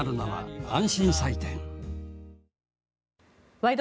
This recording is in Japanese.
「ワイド！